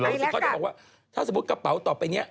เนี่ยนะเค้าจะบอกว่าถ้าสมมุติกระเป๋าต่อไปเนี่ย